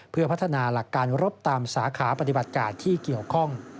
เพื่อพัฒนาหลักการรบตามสาขาปฏิบัติการที่เกี่ยวข้อง